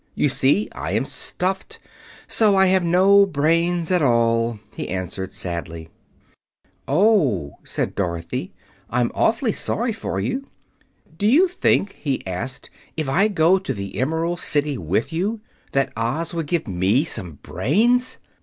You see, I am stuffed, so I have no brains at all," he answered sadly. "Oh," said Dorothy, "I'm awfully sorry for you." "Do you think," he asked, "if I go to the Emerald City with you, that Oz would give me some brains?"